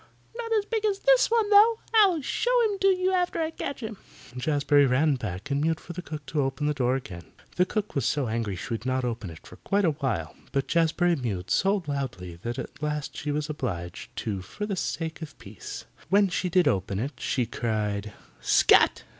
"Not as big as this one, though. I'll show him to you after I catch him." Jazbury ran back and mewed for the cook to open the door again. The cook was so angry she would not open it for quite a while, but Jazbury mewed so loudly that at last she was obliged to for the sake of peace. When she did open it she cried, "Scat!"